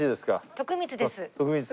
徳光です。